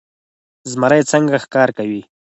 زمری څنګه ښکار کوي؟